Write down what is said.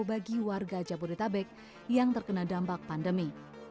bagi warga jabodetabek yang terkena dampak pandemi